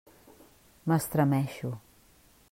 M'estremeixo.